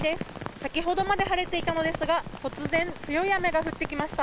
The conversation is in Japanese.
先ほどまで晴れていたのですが、突然、強い雨が降ってきました。